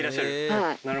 はい。